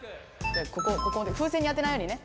ここここまで風船に当てないようにね。